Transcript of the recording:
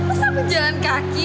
masa aku jalan kaki